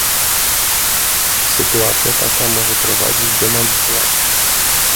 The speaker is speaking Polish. Sytuacja taka może prowadzić do manipulacji